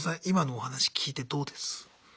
今のお話聞いてどうです？